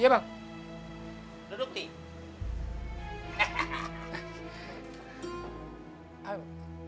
apa yang dikasih